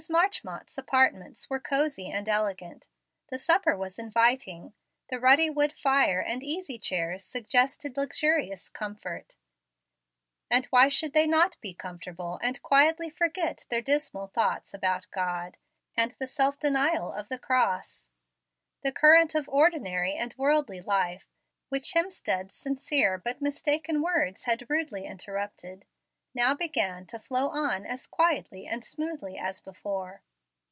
Marchmont's apartments were cosey and elegant, the supper was inviting, the ruddy wood fire and easy chairs suggested luxurious comfort; and why should they not be comfortable, and quietly forget their dismal thoughts about God, and the self denial of the Cross? The current of ordinary and worldly life, which Hemstead's sincere but mistaken words had rudely interrupted, now began to flow on as quietly and smoothly as before.